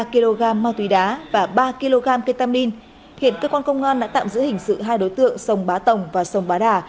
ba kg ma túy đá và ba kg ketamin hiện cơ quan công an đã tạm giữ hình sự hai đối tượng sông bá tồng và sông bá đà